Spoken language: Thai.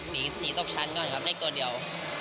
หนีตกชั้นก่อนครับได้ตัวเดียว